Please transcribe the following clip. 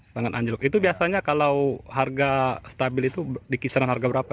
sangat anjlok itu biasanya kalau harga stabil itu di kisaran harga berapa